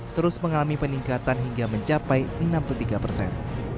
terus mengalami peningkatan hingga mencapai enam puluh tiga persen